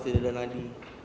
tidak ada nadi